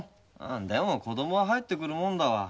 でも子どもは入ってくるもんだわ。